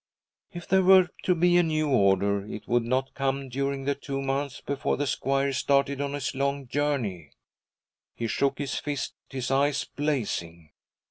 If there were to be a new order, it would not come during the two months before the squire started on his long journey! He shook his fist, his eyes blazing.